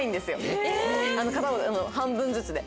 ・え・半分ずつで。